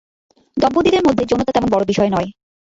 দম্পতিদের মধ্যে যৌনতা তেমন বড় বিষয় নয়।